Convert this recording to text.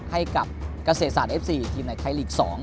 ให้กับเกษตรศาสตเอฟซีทีมในไทยลีก๒